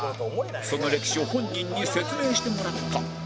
その歴史を本人に説明してもらった